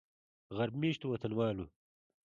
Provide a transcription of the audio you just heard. غرب میشتو وطنوالو